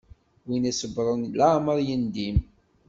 Win isebṛen leεmeṛ yendim.